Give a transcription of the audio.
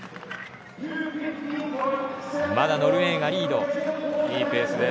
まだノルウェーがリード。